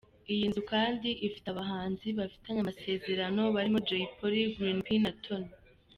Iyi nzu kandi ifite abahanzi bafitanye amasezerano barimo Jay Polly, Green P na Tony.